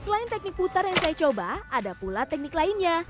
selain teknik putar yang saya coba ada pula teknik lainnya